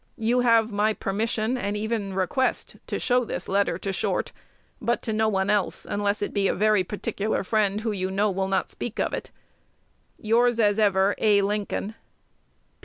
You have my permission, and even request, to show this letter to Short; but to no one else, unless it be a very particular friend, who you know will not speak of it. Yours as ever, A. Lincoln.